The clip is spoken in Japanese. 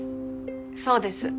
そうです。